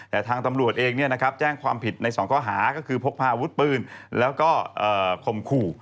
แต่ทางตำรวจเองแจ้งความผิดใน๒ข้อหาก็คือพกพาอาวุธปืนแล้วก็ข่มขู่